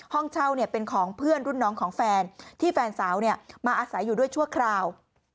ห้องเช่าเป็นของเพื่อนรุ่นน้องของแฟนที่แฟนสาวมาอาศัยอยู่ด้วยชั่วคราว